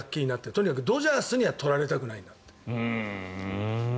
とにかくドジャースには取られたくないんだと。